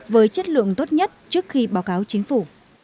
với chất lượng tốt nhất trước khi báo cáo chính phủ